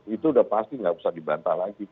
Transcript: itu udah pasti nggak usah dibantah lagi